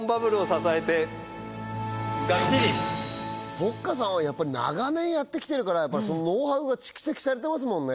ポッカさんはやっぱり長年やってきてるからノウハウが蓄積されてますもんね